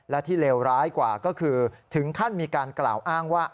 และที่เลวร้ายกว่าก็คือถึงขั้นมีการกล่าวอ้างว่า